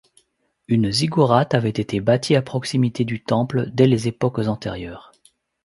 Une ziggourat avait été bâtie à proximité du temple dès les époques antérieures.